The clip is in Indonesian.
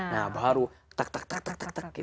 nah baru tak tak tak tak tak tak